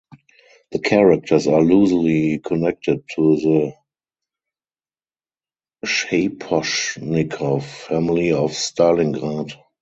The characters are loosely connected to the Shaposhnikov family of Stalingrad.